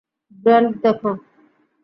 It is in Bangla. ব্রেন্ট, দেখো!